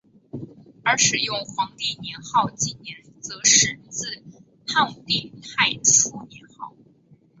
而使用皇帝年号纪年则始自汉武帝太初年号。